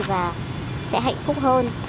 và sẽ hạnh phúc hơn